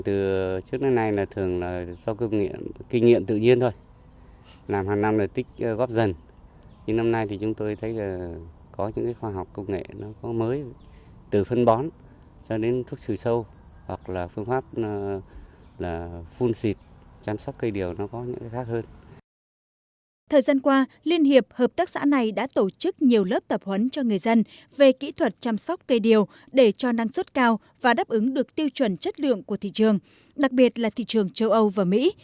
trong thời gian qua liên hiệp hợp tác xã này đã tổ chức nhiều lớp tập huấn cho người dân về kỹ thuật chăm sóc cây điều để cho năng suất cao và đáp ứng được tiêu chuẩn chất lượng của thị trường đặc biệt là thị trường châu âu và mỹ